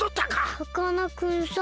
さかなクンさん